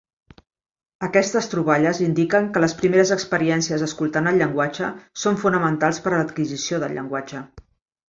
Aquestes troballes indiquen que les primeres experiències escoltant el llenguatge són fonamentals per l"adquisició del llenguatge.